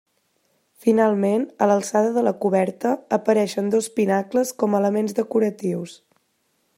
Finalment, a l'alçada de la coberta, apareixen dos pinacles com a elements decoratius.